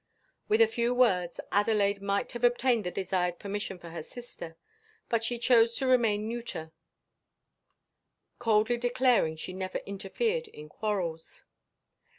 With a few words Adelaide might have obtained the desired permission for her sister; but she chose to remain neuter, coldly declaring she never interfered in quarrels.